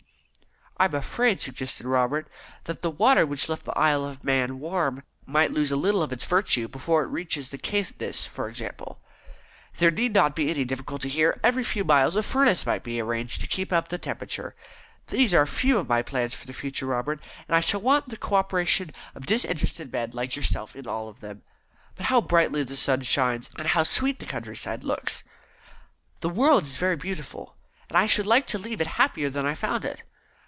"I am afraid," suggested Robert, "that the water which left the Isle of Man warm might lose a little of its virtue before it reached Caithness, for example." "There need not be any difficulty there. Every few miles a furnace might be arranged to keep up the temperature. These are a few of my plans for the future, Robert, and I shall want the co operation of disinterested men like yourself in all of them. But how brightly the sun shines, and how sweet the countryside looks! The world is very beautiful, and I should like to leave it happier than I found it.